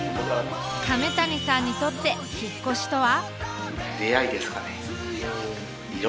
亀谷さんにとって引っ越しとは？